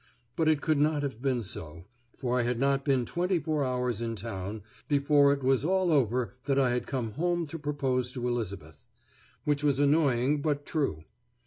But it could not have been so, for I had not been twenty four hours in town before it was all over that I had come home to propose to Elizabeth; which was annoying but true.